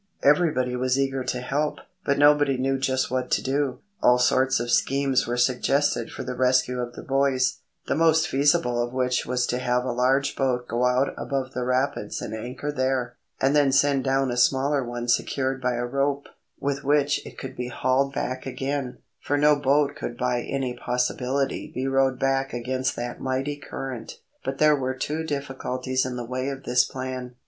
Everybody was eager to help, but nobody knew just what to do. All sorts of schemes were suggested for the rescue of the boys, the most feasible of which was to have a large boat go out above the rapids and anchor there, and then send down a smaller one secured by a rope, with which it could be hauled back again, for no boat could by any possibility be rowed back against that mighty current. But there were two difficulties in the way of this plan.